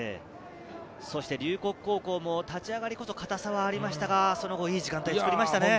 龍谷高校も立ち上がりこそかたさがありましたが、その後、いい時間帯を作りましたね。